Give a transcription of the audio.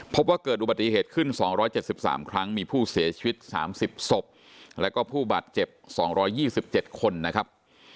พบว่าเกิดอุบัติเหตุขึ้น๒๗๓ครั้งมีผู้เสียชีวิต๓๐ศพแล้วก็ผู้บาดเจ็บ๒๒๗คนนะครับ